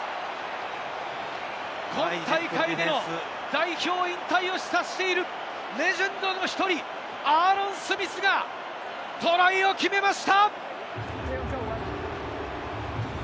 今大会での代表引退を示唆しているレジェンドの１人、アーロン・スミスがトライを決めました！